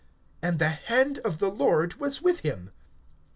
And the hand of the Lord was with him.